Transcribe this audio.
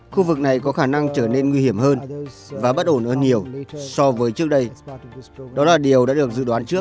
khu vực này có khả năng trở nên nguy hiểm hơn và bất ổn hơn nhiều so với trước đây đó là điều đã được dự đoán trước